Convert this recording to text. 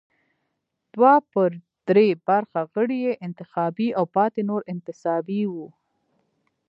دوه پر درې برخه غړي یې انتخابي او پاتې نور انتصابي وو.